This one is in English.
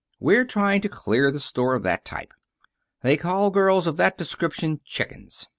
We're trying to clear the store of that type. They call girls of that description chickens.